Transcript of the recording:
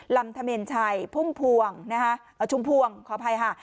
ลำธเมรชัยชุมพวงเข้าไปค่ะ